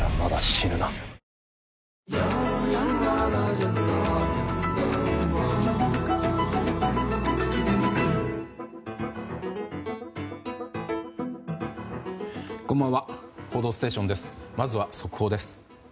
まずは、速報です。